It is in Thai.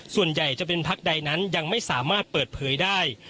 ส่วนใหญ่จะเป็นพักใดนั้นยังไม่สามารถเปิดเผยได้